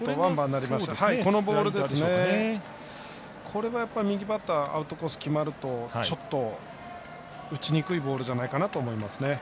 これは右バッターアウトコース決まると、ちょっと打ちにくいボールじゃないかなと思いますね。